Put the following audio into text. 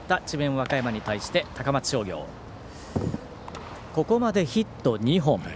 和歌山に対して、高松商業ここまでヒット２本。